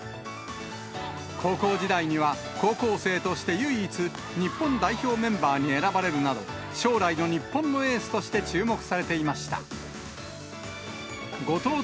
高校時代には高校生として唯一、日本代表メンバーに選ばれるなど、将来の日本のエースとして注目されていました。